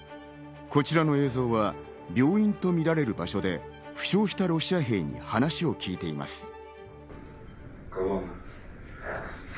こちらの映像は病院とみられる場所で負傷したロシア兵に話を聞いています。